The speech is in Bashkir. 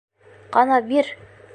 Ҡана бир!